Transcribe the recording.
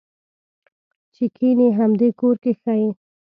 چې کېنه همدې کور کې ښه یې.